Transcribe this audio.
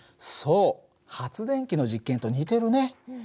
そう発電機の実験と似てるね。